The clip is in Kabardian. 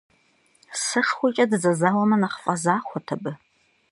СэшхуэкӀэ дызэзауэмэ, нэхъ фӀэзахуэт абы.